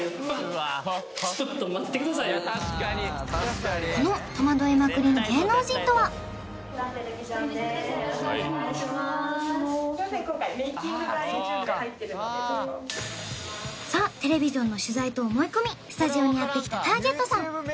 確かにザテレビジョンの取材と思い込みスタジオにやってきたターゲットさん